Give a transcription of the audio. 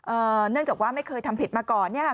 เนื่องจากว่าไม่เคยทำผิดมาก่อนเนี่ยค่ะ